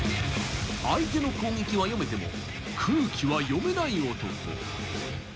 相手の攻撃は読めても、空気は読めない男。